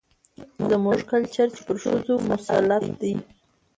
زموږ کلچر چې پر ښځو مسلط دى،